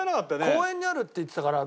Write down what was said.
公園にあるって言ってたから。